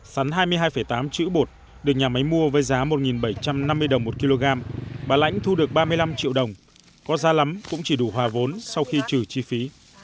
sắn hai mươi hai tám chữ bột được nhà máy mua với giá một bảy trăm năm mươi đồng một kg bà lãnh thu được ba mươi năm triệu đồng có ra lắm cũng chỉ đủ hòa vốn sau khi trừ chi phí